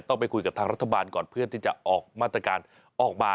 ไปคุยกับทางรัฐบาลก่อนเพื่อที่จะออกมาตรการออกมา